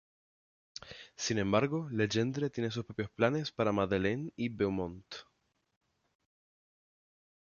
Sin embargo, Legendre tiene sus propios planes para Madeleine y para Beaumont.